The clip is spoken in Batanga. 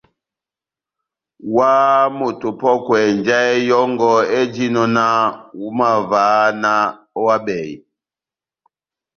Óháháha moto opɔ́kwɛ njahɛ yɔngɔ éjinɔ náh ohimavaha náh ohábɛhe.